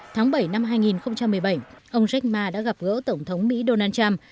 tháng bảy năm hai nghìn một mươi bảy ông jack ma đã gặp gỡ tổng thống mỹ donald trump